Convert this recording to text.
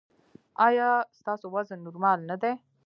ایا ستاسو وزن نورمال نه دی؟